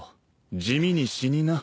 地味に死にな。